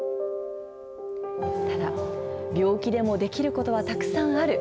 ただ、病気でもできることはたくさんある。